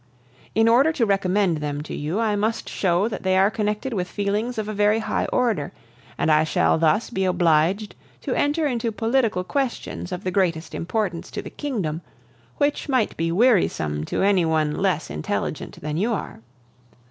In order to recommend them to you, I must show that they are connected with feelings of a very high order, and I shall thus be obliged to enter into political questions of the greatest importance to the kingdom, which might be wearisome to any one less intelligent than you are.